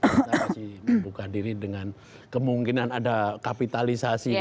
kita masih membuka diri dengan kemungkinan ada kapitalisasi